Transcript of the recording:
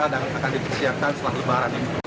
insya allah peka akan dipersiapkan setelah lebaran ini